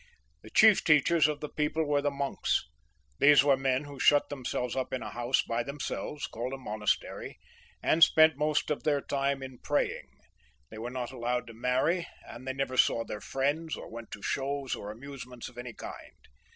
The chief teachers of the people were the monks. These were men who shut themselves up in a house by them selves, called a monastery, and spent most of their time in praying. They were not allowed to marry, and they never saw their friends, or went to shows or amusements of any kind.